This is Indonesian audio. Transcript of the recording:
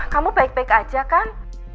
kamu baik baik aja kan